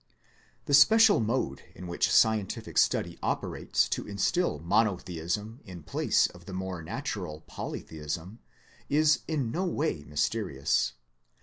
The special mode in which scientific study operates to instil Monotheism in place of the more natural K 132 THEISM Polytheism, is in no way mysterious.